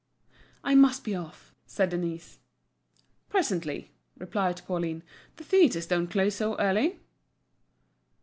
"I must be off," said Denise. "Presently," replied Pauline. "The theatres don't close so early."